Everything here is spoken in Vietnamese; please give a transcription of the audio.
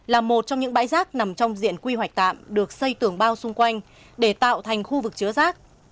là một trong những bãi rác nằm trong diện quy hoạch tạm được xây tường bao xung quanh để tạo thành khu vực chứa rác